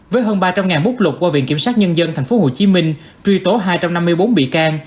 với hơn ba trăm linh bút lục qua viện kiểm sát nhân dân tp hcm truy tố hai trăm năm mươi bốn bị can